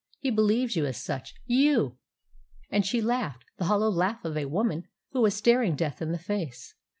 He believes you as such you!" And she laughed the hollow laugh of a woman who was staring death in the face.